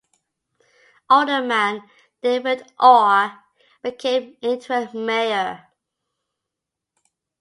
Alderman David Orr became interim Mayor.